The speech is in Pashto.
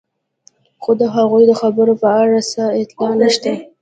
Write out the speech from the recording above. خو د هغوی د خبرو په اړه څه اطلاع نشته.